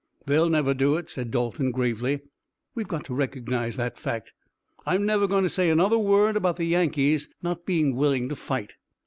"They'll never do it," said Dalton gravely. "We've got to recognize that fact. I'm never going to say another word about the Yankees not being willing to fight."